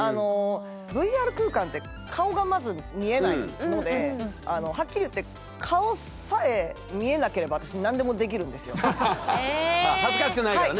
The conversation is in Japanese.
ＶＲ空間って顔がまず見えないのではっきり言って恥ずかしくないからね。